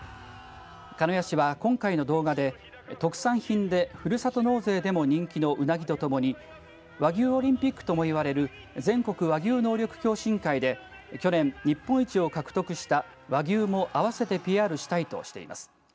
鹿屋市は今回の動画で特産品で、ふるさと納税でも人気のうなぎとともに和牛オリンピックともいわれる全国和牛能力共進会で去年日本一を獲得した和牛も合わせてＰＲしたいとしています。